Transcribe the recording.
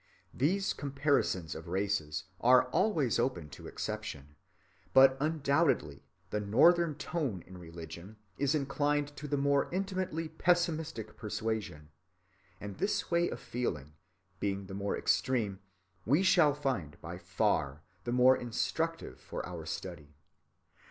(70) These comparisons of races are always open to exception, but undoubtedly the northern tone in religion has inclined to the more intimately pessimistic persuasion, and this way of feeling, being the more extreme, we shall find by far the more instructive for our study.